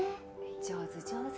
上手上手。